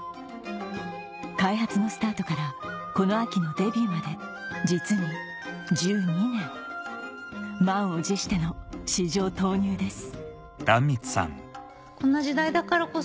開発のスタートからこの秋のデビューまで実に１２年満を持しての市場投入です